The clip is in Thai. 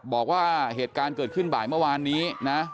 บอกว่าเหตุการณ์เกิดขึ้นบ่ายเมื่อวานนี้นะ